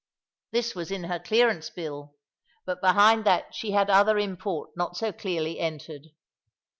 This was in her clearance bill; but behind that she had other import not so clearly entered.